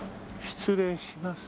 失礼します。